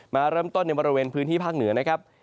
มาเริ่มต้นในบริเวณพื้นที่ภาคเหนือนะครับ